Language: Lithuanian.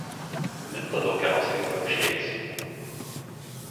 Minta daugiausiai vabzdžiais.